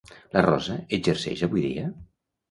La Rosa exerceix avui dia?